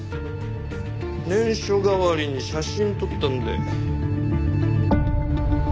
念書代わりに写真撮ったんで。